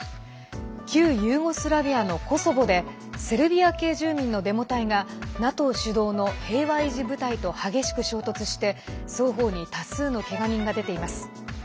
旧ユーゴスラビアのコソボでセルビア系住民のデモ隊がＮＡＴＯ主導の平和維持部隊と激しく衝突して双方に多数のけが人が出ています。